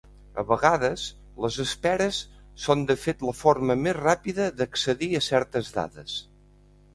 A vegades les esperes són de fet la forma més ràpida d'accedir a certes dades.